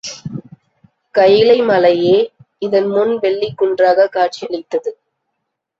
கயிலை மலையே இதன்முன் வெள்ளிக் குன்றாகக் காட்சி அளித்தது.